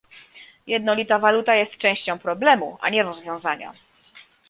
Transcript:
Jednolita waluta jest częścią problemu, a nie rozwiązania